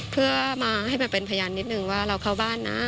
เพื่อมาให้มาเป็นพยานนิดนึงว่าเราเข้าบ้านนะ